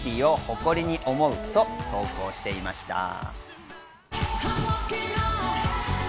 ケイティを誇りに思うと投稿していました。